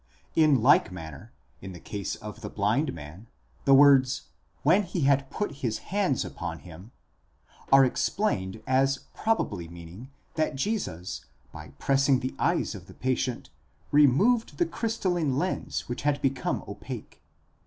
In like manner, in the case of the blind man, the words, when he had pul his hands upon him, ἐπιθεὶς tas χεῖρας αὐτῷ, are explained as probably meaning that Jesus by pressing the eyes of the patient removed the crystalline lens which had become opaque.